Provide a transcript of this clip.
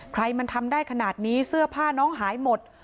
ใครมันทำได้ขนาดนี้เสื้อผ้าน้องหายหมด